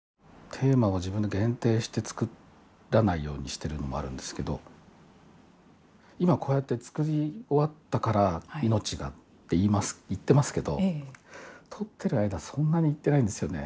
テーマを自分で限定して作らないようにしているのもあるんですけど今こうやって作り終わったから命だと言ってますけど撮っている間はそんなに言ってないんですよね。